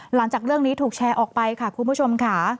หลังจากเรื่องนี้ถูกแชร์ออกไปค่ะคุณผู้ชมค่ะ